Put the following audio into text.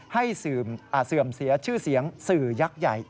เสื่อมเสียชื่อเสียงสื่อยักษ์ใหญ่